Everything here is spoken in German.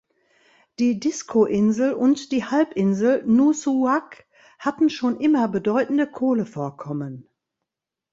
Die Diskoinsel und die Halbinsel Nuussuaq hatten schon immer bedeutende Kohlevorkommen.